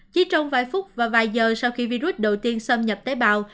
chỉ trong vài phút và vài giờ sau khi virus đầu tiên xâm nhập tế bào